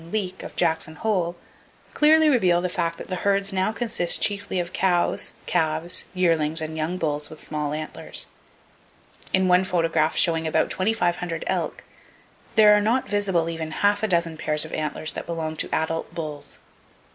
Leek, of Jackson Hole, clearly reveal the fact that the herds now consist chiefly of cows, calves, yearlings and young bulls with small antlers. In one photograph showing about twenty five hundred elk, there are not visible even half a dozen pairs of antlers that belong to adult bulls.